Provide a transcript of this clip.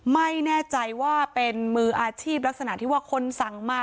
ไม่แน่ใจว่าเป็นมืออาชีพลักษณะที่ว่าคนสั่งมา